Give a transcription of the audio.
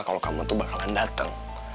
kalau kamu tuh bakalan datang